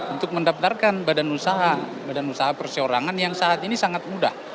untuk mendaftarkan badan usaha badan usaha perseorangan yang saat ini sangat mudah